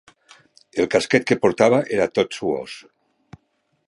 El casquet que portava era tot suós.